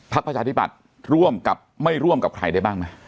ประชาธิบัติร่วมกับไม่ร่วมกับใครได้บ้างไหม